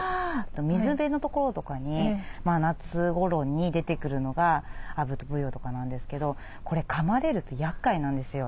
水辺の所とかに夏ごろに出てくるのがアブとブヨとかなんですけどこれかまれるとやっかいなんですよ。